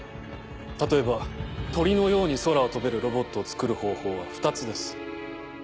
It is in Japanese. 例えば鳥のように空を飛べるロボットを作る方法は２つです。